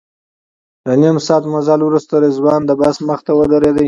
له نیم ساعت مزل وروسته رضوان د بس مخې ته ودرېد.